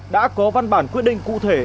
đã có văn bản quyết định cụ thể